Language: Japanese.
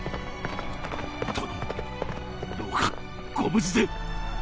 殿どうかご無事で！